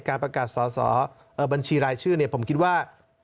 ประกาศสอสอบัญชีรายชื่อผมคิดว่า